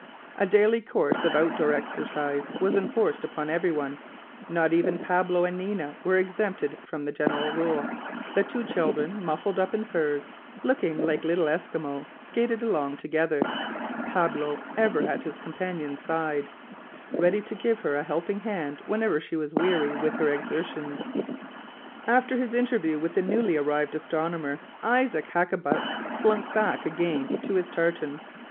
A daily course of out door exercise was enforced upon everyone; not even Pablo and Nina were exempted from the general rule; the two children, muffled up in furs, looking like little Esquimeaux, skated along together, Pablo ever at his companion's side, ready to give her a helping hand whenever she was weary with her exertions. After his interview with the newly arrived astronomer, Isaac Hakkabut slunk back again to his tartan.